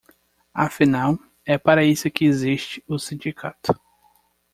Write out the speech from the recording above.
Afinal, é para isso que existe o sindicato.